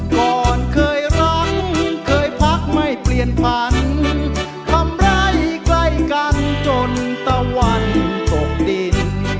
ก่อนเคยรังเคยพักไม่เปลี่ยนฝันทำไร่ใกล้กันจนตะวันตกดิน